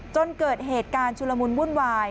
จนเกิดเหตุการณ์ชุลมุนวุ่นวาย